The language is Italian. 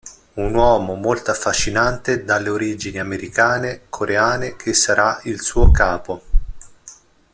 Un uomo molto affascinante dalle origini americane-coreane che sarà il suo capo.